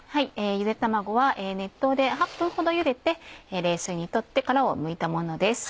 ゆで卵は熱湯で８分ほどゆでて冷水に取って殻をむいたものです。